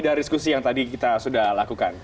dari diskusi yang tadi kita sudah lakukan